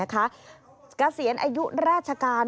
กระเซียนอายุราชการ